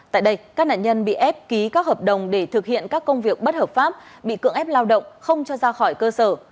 tại đây các nạn nhân bị ép ký các hợp đồng để thực hiện các công việc bất hợp pháp bị cưỡng ép lao động không cho ra khỏi cơ sở